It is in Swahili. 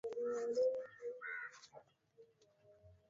Pamoja na hayo vita hivyo vilidhoofisha Wakristo wa Mashariki waliozoea